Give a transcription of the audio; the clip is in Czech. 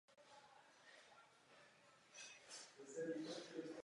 Bojoval na severní frontě a po francouzské kapitulaci se přepravil do Anglie.